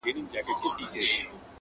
د زړه آواز دی څوک به یې واوري؟ -